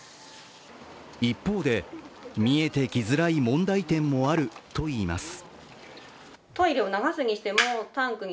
一方で、見えてきづらい問題点もあるといいます。